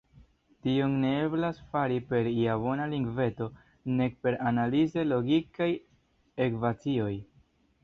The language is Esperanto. Tion ne eblas fari per ia bona lingveto nek per analize logikaj ekvacioj.